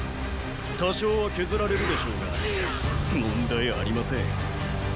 多少は削られるでしょうが問題ありません。